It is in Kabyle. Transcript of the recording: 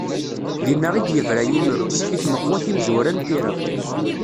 Dinna i d-yebra yimru-s, i tmeqwa timezwura n tira.